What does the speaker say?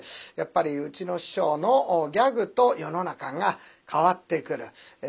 やっぱりうちの師匠のギャグと世の中が変わってくる。